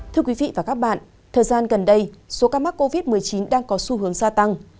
thưa quý vị và các bạn thời gian gần đây số ca mắc covid một mươi chín đang có xu hướng gia tăng